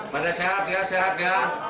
pada sehat ya sehat ya